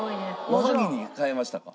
おはぎに変えましたか？